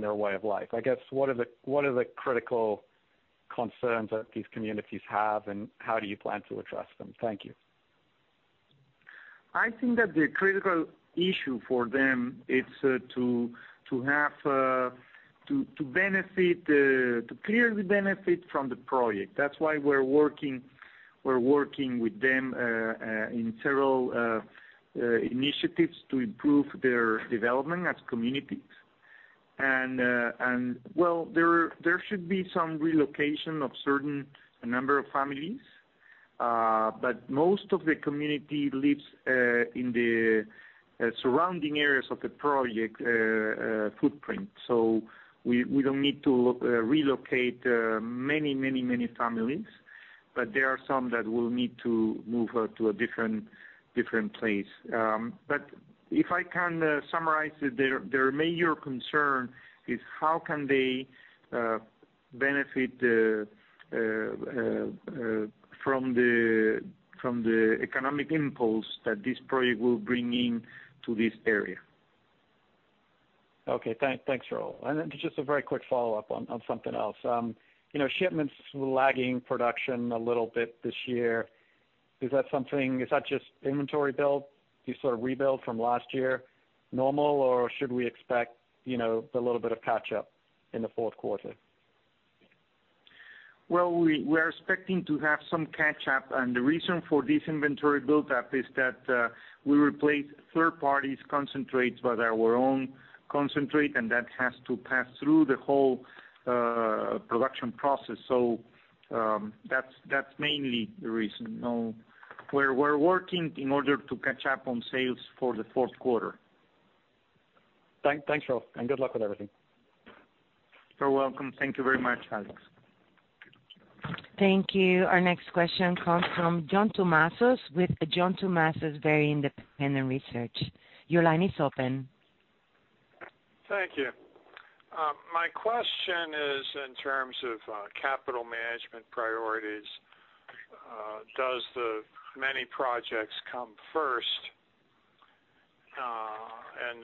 S7: their way of life? I guess, what are the critical concerns that these communities have, and how do you plan to address them? Thank you.
S2: I think that the critical issue for them is to clearly benefit from the project. That's why we're working with them in several initiatives to improve their development as communities. There should be some relocation of certain number of families. Most of the community lives in the surrounding areas of the project footprint. We don't need to relocate many families. There are some that will need to move to a different place. If I can summarize it, their major concern is how can they benefit from the economic impulse that this project will bring into this area.
S7: Okay. Thanks, Raul. Just a very quick follow-up on something else. You know, shipments lagging production a little bit this year. Is that just inventory build, you sort of rebuild from last year normal, or should we expect, you know, the little bit of catch up in the fourth quarter?
S2: Well, we're expecting to have some catch up, and the reason for this inventory build up is that, we replaced third-party concentrates by our own concentrate, and that has to pass through the whole, production process. That's mainly the reason. No, we're working in order to catch up on sales for the fourth quarter.
S7: Thanks, Raul, and good luck with everything.
S2: You're welcome. Thank you very much, Alex.
S1: Thank you. Our next question comes from John Tumazos with John Tumazos Very Independent Research. Your line is open.
S8: Thank you. My question is in terms of capital management priorities, does the many projects come first?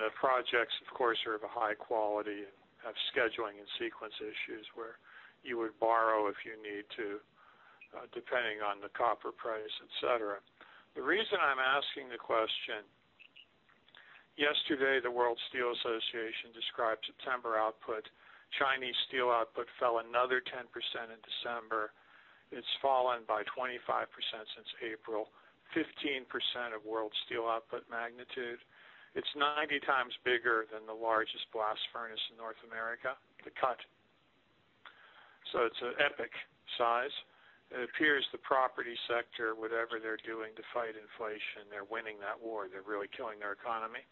S8: The projects, of course, are of a high quality and have scheduling and sequence issues where you would borrow if you need to, depending on the copper price, et cetera. The reason I'm asking the question, yesterday, the World Steel Association described September output. Chinese steel output fell another 10% in December. It's fallen by 25% since April. 15% of world steel output magnitude. It's 90x bigger than the largest blast furnace in North America, the [cut]. It's an epic size. It appears the property sector, whatever they're doing to fight inflation, they're winning that war. They're really killing their economy.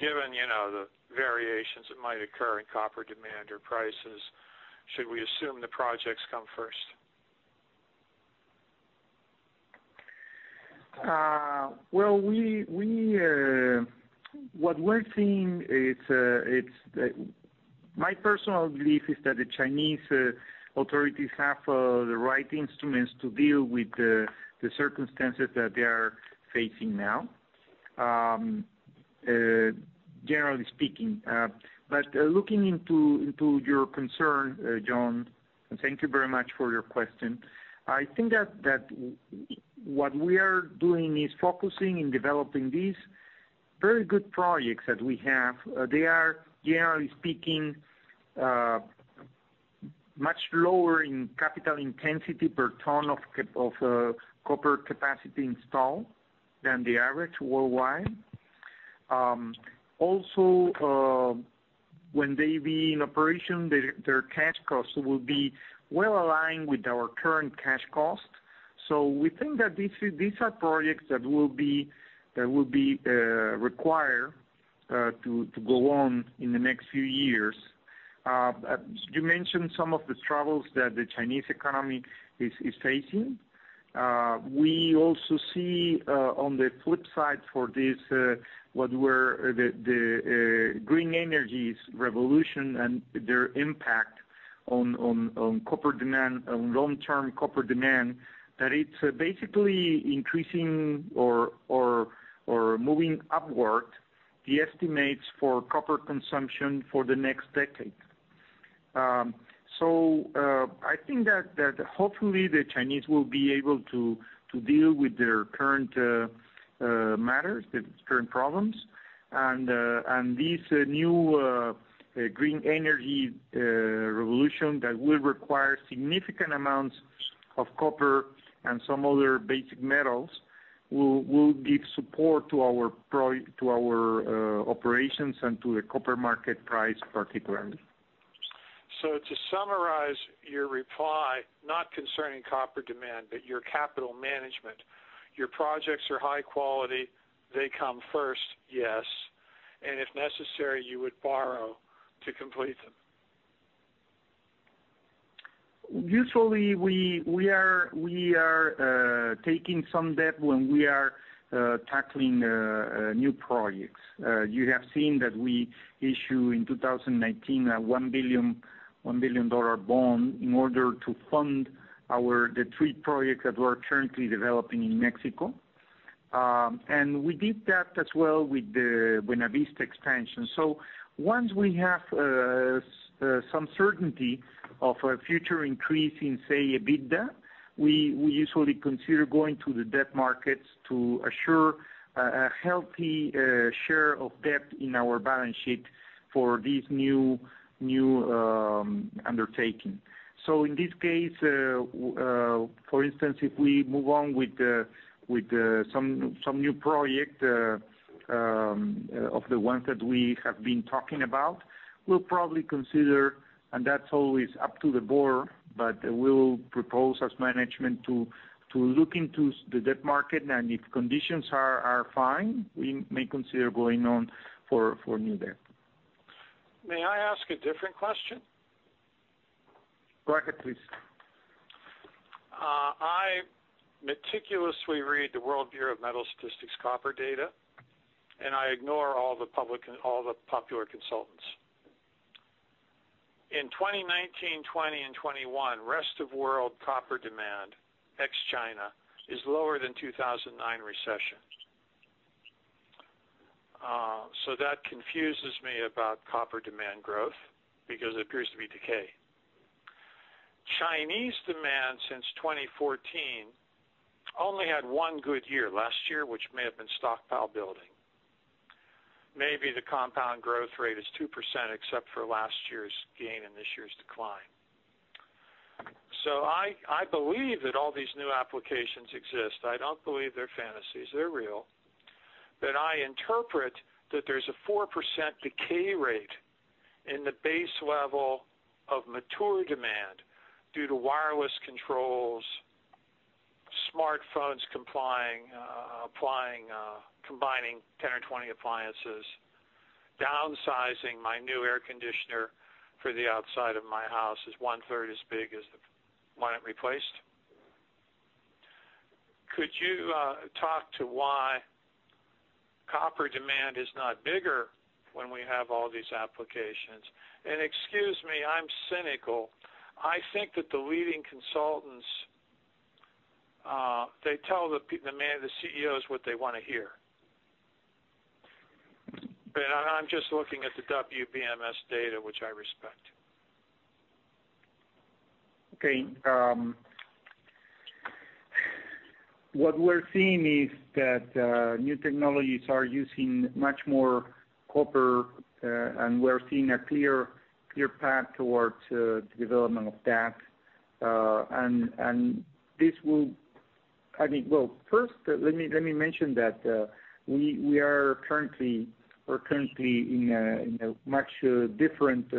S8: Given, you know, the variations that might occur in copper demand or prices, should we assume the projects come first?
S2: My personal belief is that the Chinese authorities have the right instruments to deal with the circumstances that they are facing now, generally speaking. Looking into your concern, John, and thank you very much for your question. I think that what we are doing is focusing in developing these very good projects that we have. They are, generally speaking, much lower in capital intensity per ton of copper capacity installed than the average worldwide. Also, when they be in operation, their cash costs will be well aligned with our current cash cost. We think that these are projects that will be required to go on in the next few years. You mentioned some of the struggles that the Chinese economy is facing. We also see on the flip side for this what were the green energy revolution and their impact on copper demand, on long-term copper demand, that it's basically increasing or moving upward the estimates for copper consumption for the next decade. I think that hopefully the Chinese will be able to deal with their current matters, the current problems. This new green energy revolution that will require significant amounts of copper and some other base metals will give support to our operations and to the copper market price particularly.
S8: To summarize your reply, not concerning copper demand, but your capital management, your projects are high quality. They come first, yes. If necessary, you would borrow to complete them.
S2: Usually, we are taking some debt when we are tackling new projects. You have seen that we issue in 2019 a $1 billion bond in order to fund the three projects that we're currently developing in Mexico. We did that as well with the Buenavista expansion. Once we have some certainty of a future increase in, say, EBITDA, we usually consider going to the debt markets to assure a healthy share of debt in our balance sheet for this new undertaking. In this case, for instance, if we move on with some new project of the ones that we have been talking about, we'll probably consider, and that's always up to the board, but we'll propose as management to look into the debt market. If conditions are fine, we may consider going on for new debt.
S8: May I ask a different question?
S2: Go ahead, please.
S8: I meticulously read the World Bureau of Metal Statistics copper data, and I ignore all the publications, the popular consultants. In 2019, 2020 and 2021, rest of world copper demand, ex-China, is lower than 2009 recession. That confuses me about copper demand growth because it appears to be decay. Chinese demand since 2014 only had one good year, last year, which may have been stockpile building. Maybe the compound growth rate is 2% except for last year's gain and this year's decline. I believe that all these new applications exist. I don't believe they're fantasies. They're real. I interpret that there's a 4% decay rate in the base level of mature demand due to wireless controls, smartphones applying, combining 10 or 20 appliances. Downsizing my new air conditioner for the outside of my house is 1/3 as big as the one it replaced. Could you talk to why copper demand is not bigger when we have all these applications? Excuse me, I'm cynical. I think that the leading consultants, they tell the management, the CEOs what they wanna hear. I'm just looking at the WBMS data, which I respect.
S2: Okay. What we're seeing is that new technologies are using much more copper, and we're seeing a clear path towards the development of that. I mean, well, first, let me mention that we are currently in a much different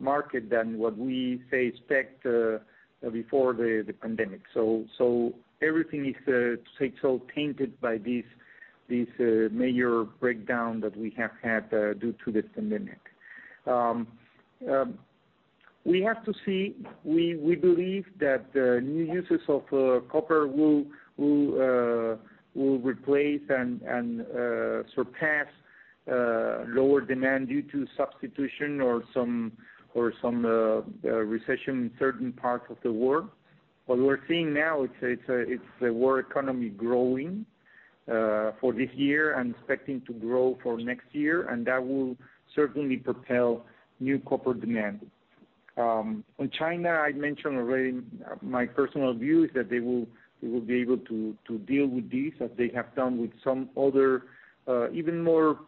S2: market than, say, what we expect before the pandemic. Everything is so tainted by this major breakdown that we have had due to the pandemic. We have to see. We believe that the new uses of copper will replace and surpass lower demand due to substitution or some recession in certain parts of the world. What we're seeing now, it's the world economy growing for this year and expecting to grow for next year, and that will certainly propel new copper demand. On China, I mentioned already my personal view is that they will be able to deal with this as they have done with some other even more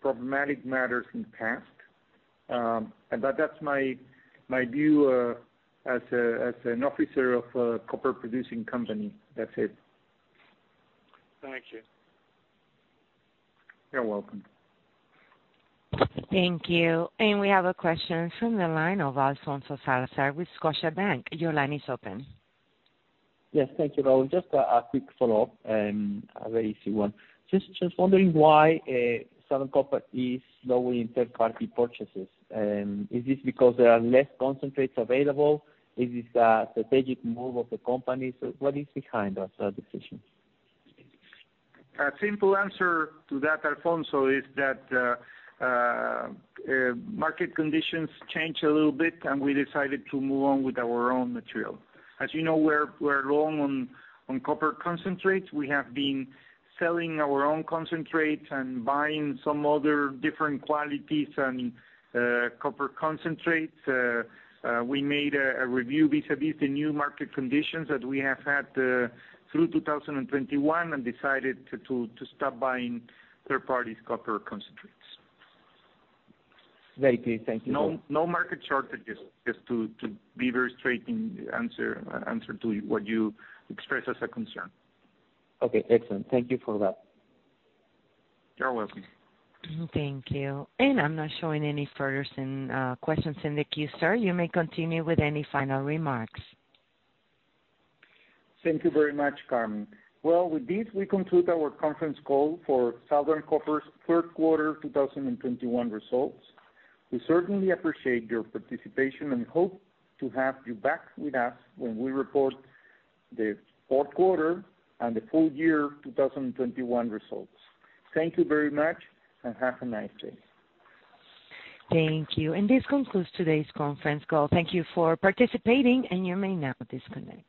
S2: problematic matters in the past. That's my view as an officer of a copper-producing company. That's it.
S8: Thank you.
S2: You're welcome.
S1: Thank you. We have a question from the line of Alfonso Salazar with Scotiabank. Your line is open.
S5: Yes, thank you, Raul. Just a quick follow-up and a very easy one. Just wondering why Southern Copper is lowering third-party purchases. Is this because there are less concentrates available? Is this a strategic move of the company? What is behind this decision?
S2: A simple answer to that, Alfonso, is that market conditions change a little bit, and we decided to move on with our own material. As you know, we're long on copper concentrates. We have been selling our own concentrates and buying some other different qualities and copper concentrates. We made a review vis-à-vis the new market conditions that we have had through 2021 and decided to stop buying third-party copper concentrates.
S5: Very clear. Thank you.
S2: No, no market shortages, just to be very straight in the answer to what you expressed as a concern.
S5: Okay, excellent. Thank you for that.
S2: You're welcome.
S1: Thank you. I'm not showing any further questions in the queue, sir. You may continue with any final remarks.
S2: Thank you very much, Carmen. Well, with this, we conclude our conference call for Southern Copper's third quarter 2021 results. We certainly appreciate your participation and hope to have you back with us when we report the fourth quarter and the full year 2021 results. Thank you very much and have a nice day.
S1: Thank you. This concludes today's conference call. Thank you for participating, and you may now disconnect.